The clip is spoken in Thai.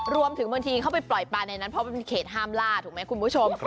รวมถึงบางทีเขาไปปล่อยปลาในนั้นเพราะมันเป็นเขตห้ามล่าถูกไหมคุณผู้ชม